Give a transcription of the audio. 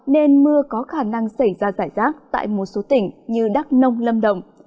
nên mưa có khả năng xảy ra giải rác tại một số tỉnh như đắk nông lâm đồng